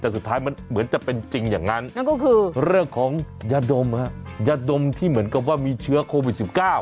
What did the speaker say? แต่สุดท้ายมันเหมือนจะเป็นจริงอย่างนั้นนั่นก็คือเรื่องของยาดมฮะยาดมที่เหมือนกับว่ามีเชื้อโควิด๑๙